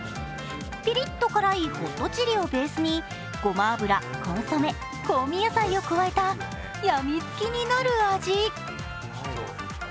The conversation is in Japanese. ピリッと辛いホットチリをベースにごま油、コンソメ香味野菜を加えた、やみつきになる味。